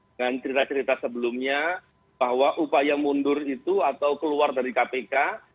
dan cerita cerita sebelumnya bahwa upaya mundur itu atau keluar dari kpk